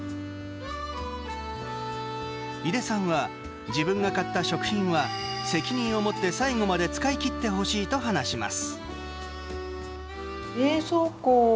井出さんは、自分が買った食品は責任を持って最後まで使い切ってほしいと話します。